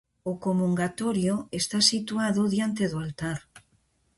O comungatorio está situado diante do altar.